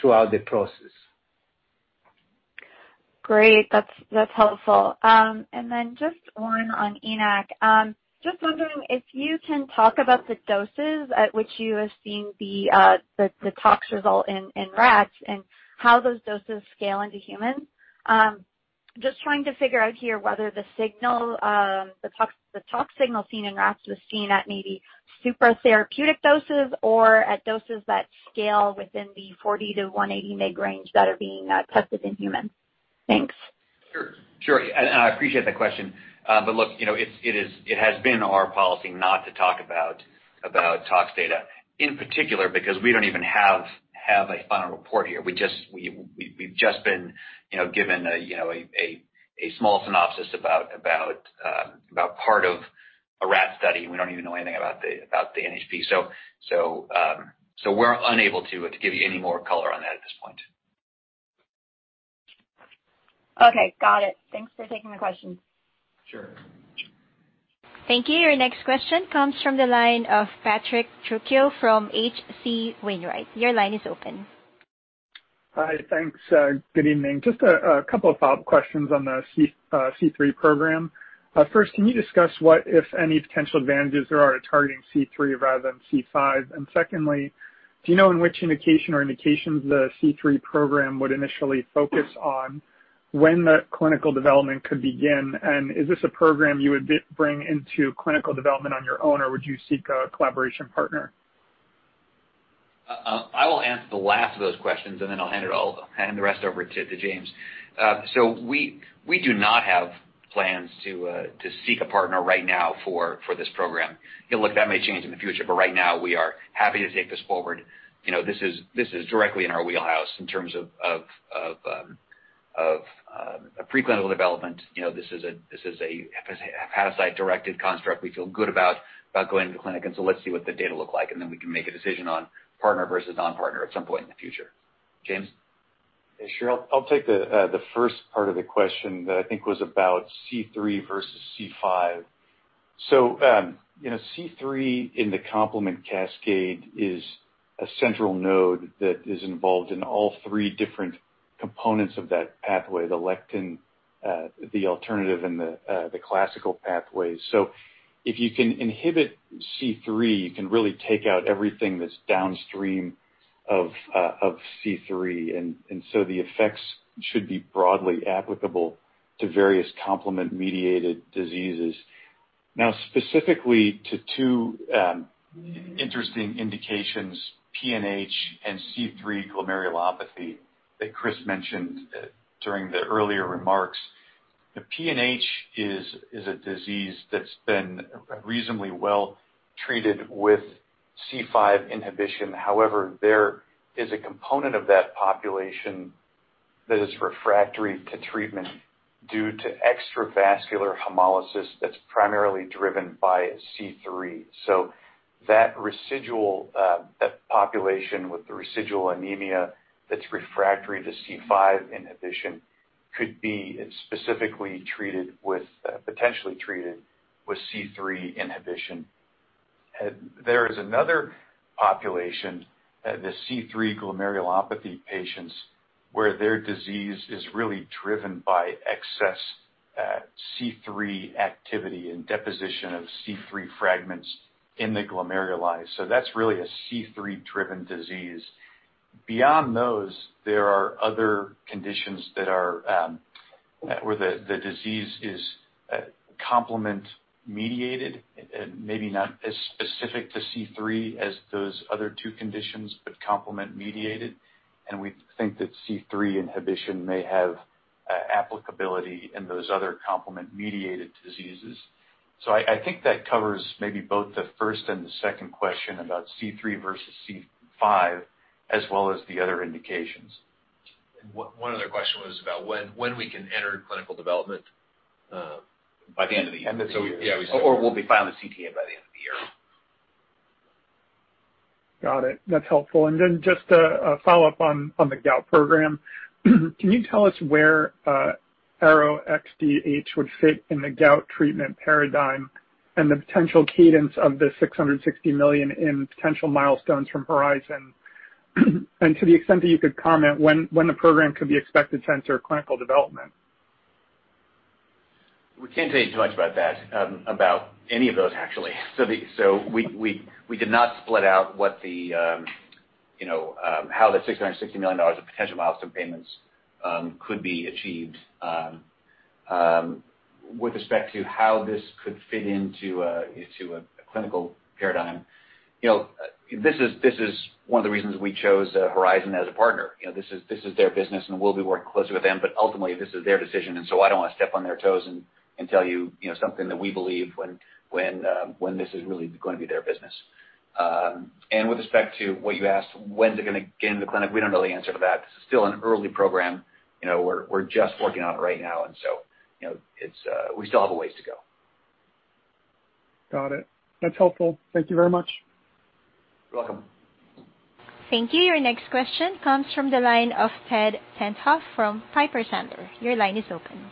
throughout the process. Great. That's helpful. Just one on ENaC. Just wondering if you can talk about the doses at which you have seen the tox result in rats and how those doses scale into humans? Just trying to figure out here whether the tox signal seen in rats was seen at maybe super therapeutic doses or at doses that scale within the 40-180 mg range that are being tested in humans. Thanks. Sure. I appreciate that question. Look, it has been our policy not to talk about tox data, in particular because we don't even have a final report yet. We've just been given a small synopsis about part of a rat study, and we don't even know anything about the NHP. We're unable to give you any more color on that at this point. Okay, got it. Thanks for taking my question. Sure. Thank you. Your next question comes from the line of Patrick Trucchio from H.C. Wainwright. Your line is open. Hi. Thanks. Good evening. Just a couple of follow-up questions on the C3 program. First, can you discuss what, if any, potential advantages there are to targeting C3 rather than C5? Secondly, do you know in which indication or indications the C3 program would initially focus on when the clinical development could begin? Is this a program you would bring into clinical development on your own, or would you seek a collaboration partner? I will answer the last of those questions, and then I'll hand the rest over to James. We do not have plans to seek a partner right now for this program. Look, that may change in the future, but right now, we are happy to take this forward. This is directly in our wheelhouse in terms of pre-clinical development. This is a hepatocyte-directed construct. We feel good about going to the clinic, and so let's see what the data look like, and then we can make a decision on partner versus non-partner at some point in the future. James? Yeah, sure. I'll take the first part of the question that I think was about C3 versus C5. C3 in the complement cascade is a central node that is involved in all three different components of that pathway, the lectin, the alternative, and the classical pathways. If you can inhibit C3, you can really take out everything that's downstream of C3, and so the effects should be broadly applicable to various complement-mediated diseases. Now, specifically to two interesting indications, PNH and C3 glomerulopathy that Chris mentioned during the earlier remarks. PNH is a disease that's been reasonably well treated with C5 inhibition. However, there is a component of that population that is refractory to treatment due to extravascular hemolysis that's primarily driven by C3. That population with the residual anemia that's refractory to C5 inhibition could be potentially treated with C3 inhibition. There is another population, the C3 glomerulopathy patients, where their disease is really driven by excess C3 activity and deposition of C3 fragments in the glomeruli. That's really a C3-driven disease. Beyond those, there are other conditions where the disease is complement-mediated, maybe not as specific to C3 as those other two conditions, but complement-mediated, and we think that C3 inhibition may have applicability in those other complement-mediated diseases. I think that covers maybe both the first and the second question about C3 versus C5, as well as the other indications. One other question was about when we can enter clinical development by the end of the year. End of the year. We'll be filing a CTA by the end of the year. Got it. That's helpful. Then just a follow-up on the gout program. Can you tell us where ARO-XDH would fit in the gout treatment paradigm and the potential cadence of the $660 million in potential milestones from Horizon? To the extent that you could comment, when the program could be expected to enter clinical development. We can't tell you too much about that, about any of those, actually. We did not split out how the $660 million of potential milestone payments could be achieved. With respect to how this could fit into a clinical paradigm, this is one of the reasons we chose Horizon as a partner. This is their business, and we'll be working closely with them, but ultimately, this is their decision, and so I don't want to step on their toes and tell you something that we believe when this is really going to be their business. With respect to what you asked, when they're going to get into the clinic, we don't know the answer to that. This is still an early program. We're just working on it right now, and so we still have a ways to go. Got it. That is helpful. Thank you very much. You're welcome. Thank you. Your next question comes from the line of Ted Tenthoff from Piper Sandler. Your line is open.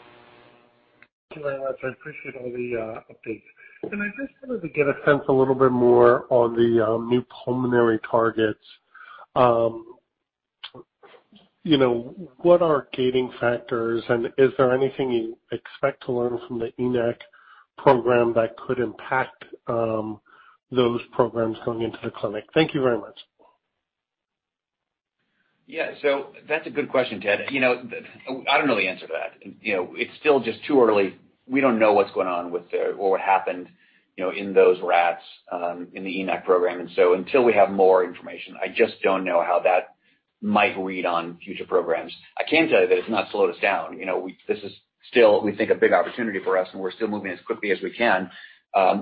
Thank you very much. I appreciate all the updates. I just wanted to get a sense a little bit more on the new pulmonary targets. What are gating factors, and is there anything you expect to learn from the ENaC program that could impact those programs going into the clinic? Thank you very much. Yeah. That's a good question, Ted. I don't know the answer to that. It's still just too early. We don't know what's going on with or what happened in those rats in the ARO-ENaC program. Until we have more information, I just don't know how that might read on future programs. I can tell you that it's not slowed us down. This is still, we think, a big opportunity for us, we're still moving as quickly as we can.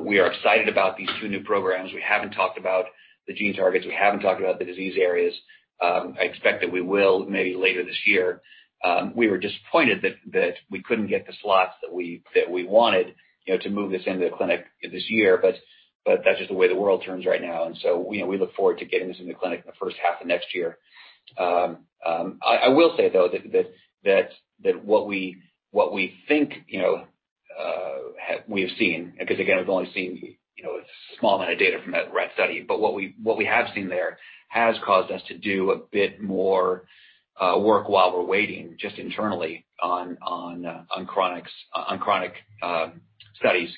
We are excited about these new programs, we haven't talked about the gene targets, we haven't talked about the disease areas, I expect that we will maybe later this year. We were disappointed that we couldn't get the slots that we wanted to move this into the clinic this year. That's just the way the world turns right now. We look forward to getting this in the clinic in the first half of next year. I will say, though, that what we think we have seen, because, again, we've only seen a small amount of data from that rat study, but what we have seen there has caused us to do a bit more work while we're waiting just internally on chronic studies.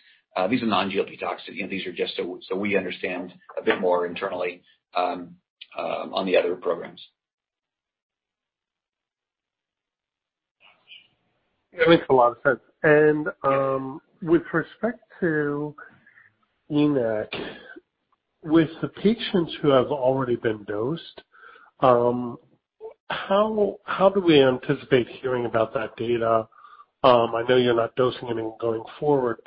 These are non-GLP tox. These are just so we understand a bit more internally on the other programs. It makes a lot of sense. With respect to ENaC, with the patients who have already been dosed, how do we anticipate hearing about that data? I know you're not dosing anything going forward,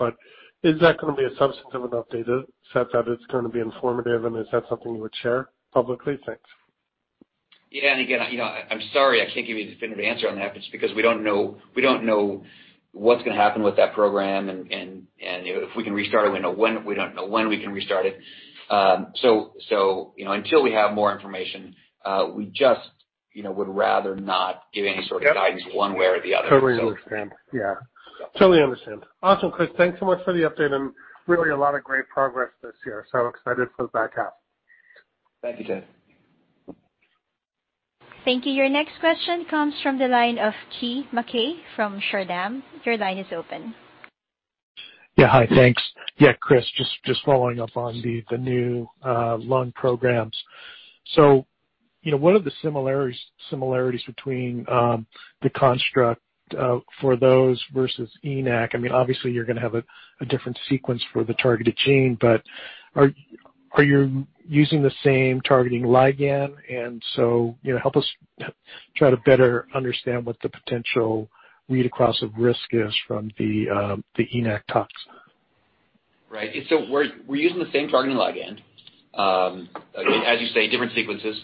is that going to be a substantive enough data set that it's going to be informative, and is that something you would share publicly? Thanks. Yeah. Again, I'm sorry I can't give you a definitive answer on that, but it's because we don't know what's going to happen with that program, and if we can restart it, we don't know when we can restart it. Until we have more information, we just would rather not give any sort of guidance one way or the other. Totally understand. Yeah. Totally understand. Awesome, Chris, thanks so much for the update and really a lot of great progress this year. Excited for the backup. Thank you, Ted. Thank you. Your next question comes from the line of Keay Nakae from Chardan. Your line is open. Yeah. Hi, thanks. Yeah, Chris, just following up on the new lung programs. What are the similarities between the construct for those versus ARO-ENaC? I mean, obviously, you're going to have a different sequence for the targeted gene, but are you using the same targeting ligand? Help us try to better understand what the potential read-across of risk is from the ARO-ENaC tox. Right. We're using the same targeting ligand. As you say, different sequences.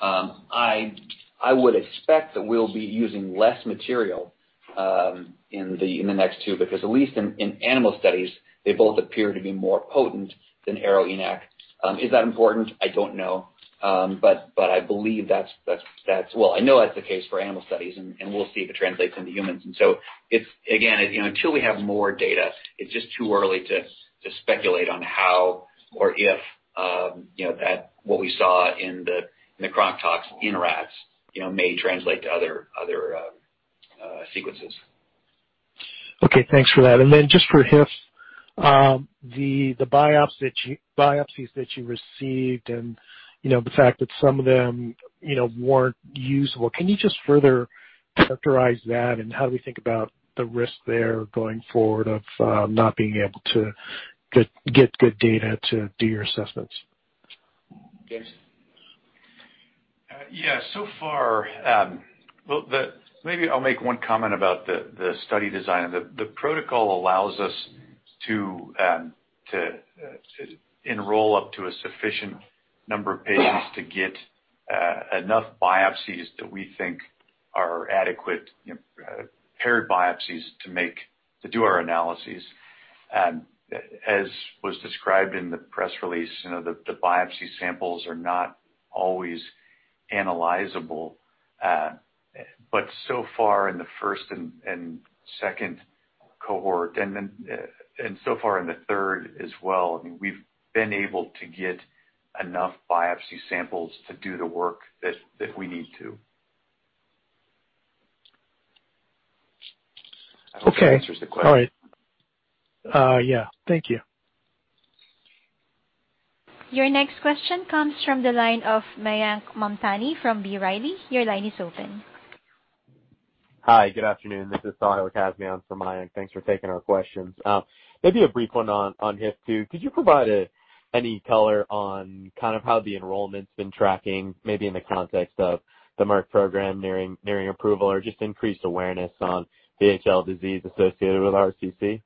I would expect that we'll be using less material in the next two, because at least in animal studies, they both appear to be more potent than ARO-ENaC. Is that important? I don't know. Well, I know that's the case for animal studies, and we'll see if it translates into humans. Again, until we have more data, it's just too early to speculate on how or if what we saw in the chronic tox in rats may translate to other sequences. Okay. Thanks for that. Then just for HIF, the biopsies that you received and the fact that some of them weren't usable, can you just further characterize that and how do we think about the risk there going forward of not being able to get good data to do your assessments? James? Yeah. Well, maybe I'll make one comment about the study design. The protocol allows us to enroll up to a sufficient number of patients to get enough biopsies that we think are adequate paired biopsies to do our analyses. As was described in the press release, the biopsy samples are not always analyzable. So far in the first and second cohort and so far in the third as well, we've been able to get enough biopsy samples to do the work that we need to. Okay. I hope that answers the question? All right. Yeah. Thank you. Your next question comes from the line of Mayank Mamtani from B. Riley. Your line is open. Hi. Good afternoon. This is Sahil Kazmi on for Mayank. Thanks for taking our questions. A brief one on HIF2. Could you provide any color on kind of how the enrollment's been tracking, maybe in the context of the Merck program nearing approval, or just increased awareness on VHL disease associated with RCC?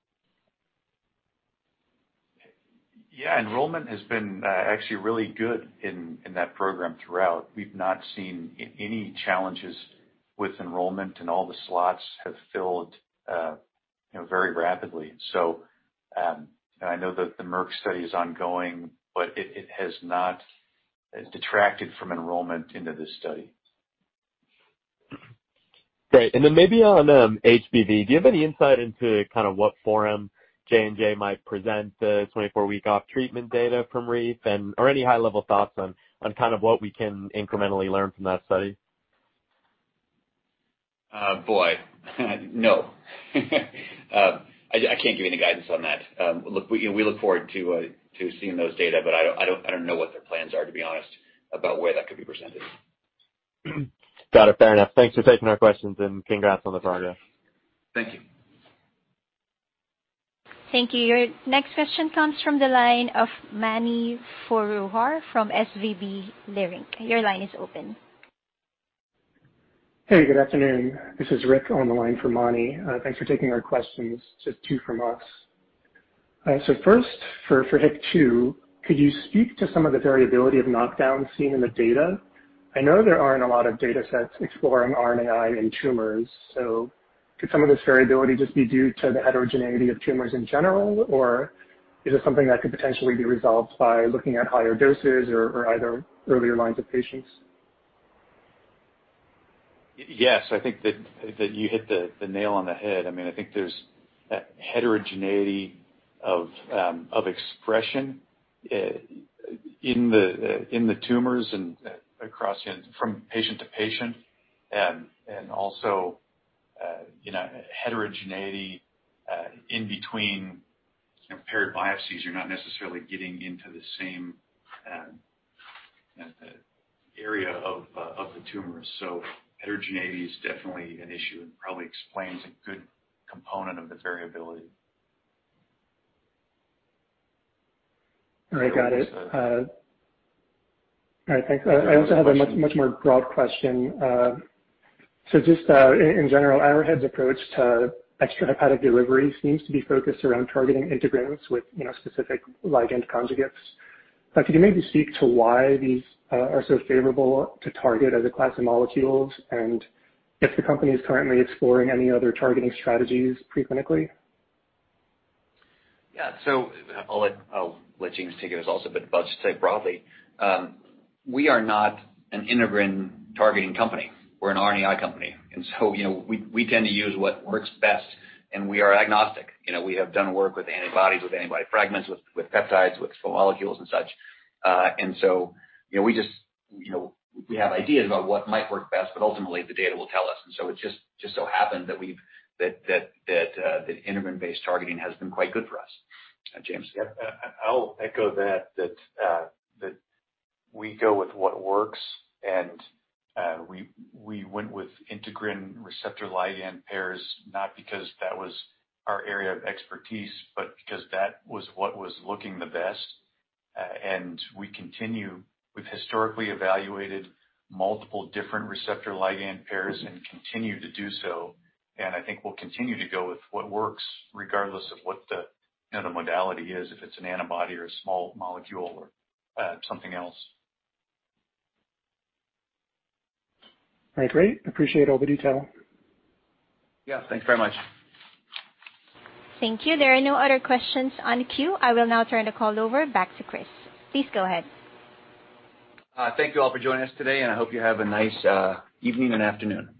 Yeah. Enrollment has been actually really good in that program throughout. We've not seen any challenges with enrollment, and all the slots have filled very rapidly. I know that the Merck study is ongoing, but it has not detracted from enrollment into this study. Great. Then maybe on HBV, do you have any insight into kind of what forum J&J might present the 24-week off treatment data from REVEAL, or any high-level thoughts on kind of what we can incrementally learn from that study? Boy. No. I can't give you any guidance on that. Look, we look forward to seeing those data, but I don't know what their plans are, to be honest, about where that could be presented. Got it. Fair enough. Thanks for taking our questions, and congrats on the progress. Thank you. Thank you. Your next question comes from the line of Mani Foroohar from SVB Leerink. Your line is open. Hey, good afternoon. This is Rick on the line for Mani. Thanks for taking our questions, just two from us. First, for HIF2, could you speak to some of the variability of knockdown seen in the data? I know there aren't a lot of data sets exploring RNAi in tumors, could some of this variability just be due to the heterogeneity of tumors in general, or is it something that could potentially be resolved by looking at higher doses or either earlier lines of patients? Yes, I think that you hit the nail on the head. I think there's heterogeneity of expression in the tumors and from patient to patient, and also heterogeneity in between paired biopsies. You're not necessarily getting into the same area of the tumor. Heterogeneity is definitely an issue and probably explains a good component of the variability. All right. Got it. All right, thanks. I also have a much more broad question. Just in general, Arrowhead's approach to extrahepatic deliveries seems to be focused around targeting integrins with specific ligand conjugates. Could you maybe speak to why these are so favorable to target as a class of molecules, and if the company is currently exploring any other targeting strategies preclinically? Yeah. I'll let James take it as well, but I'll just say broadly, we are not an integrin-targeting company. We're an RNAi company, and so we tend to use what works best, and we are agnostic. We have done work with antibodies, with antibody fragments, with peptides, with small molecules and such. We have ideas about what might work best, but ultimately, the data will tell us. It just so happened that integrin-based targeting has been quite good for us. James? Yeah. I'll echo that we go with what works. We went with integrin receptor ligand pairs, not because that was our area of expertise, but because that was what was looking the best. We've historically evaluated multiple different receptor ligand pairs and continue to do so. I think we'll continue to go with what works regardless of what the modality is, if it's an antibody or a small molecule or something else. All right, great. I appreciate all the detail. Yeah. Thanks very much. Thank you. There are no other questions on queue. I will now turn the call over back to Chris. Please go ahead. Thank you all for joining us today, and I hope you have a nice evening and afternoon.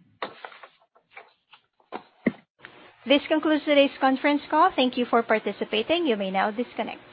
This concludes today's conference call. Thank you for participating. You may now disconnect.